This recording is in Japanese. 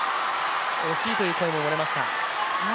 惜しいという声も漏れました。